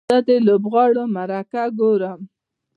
زه د لوبغاړو مرکه ګورم.